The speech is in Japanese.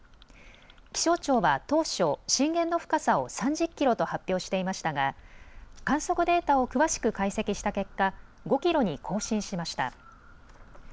気象庁は当初、震源の深さを３０キロと発表していましたが観測データを詳しく解析した結果、５キロに更新しました。